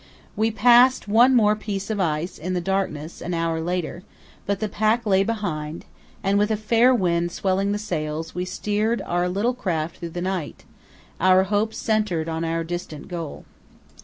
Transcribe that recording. We passed one more piece of ice in the darkness an hour later, but the pack lay behind, and with a fair wind swelling the sails we steered our little craft through the night, our hopes centred on our distant goal.